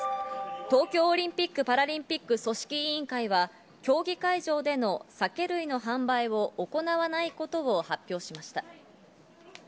東京オリンピック・パラリンピック組織委員会は、競技会場での酒類の販売を行わないことを発表しました。